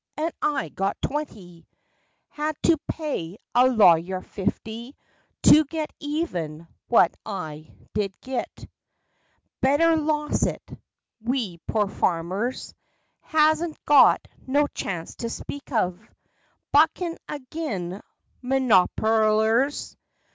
And I got twenty ! Had to pay a lawyer fifty To get even what I did git. 44 FACTS AND FANCIES. Better loss' it. We pore farmers Has n't got no chance to speak of Buckin' a gin mernoperlers.